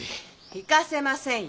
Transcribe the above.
行かせませんよ。